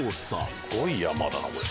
すごい山だなこれ。